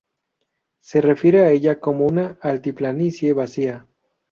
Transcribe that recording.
Se refiere a ella como una altiplanicie vacía.